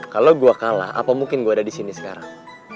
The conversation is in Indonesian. kalau gue kalah apa mungkin gue ada disini sekarang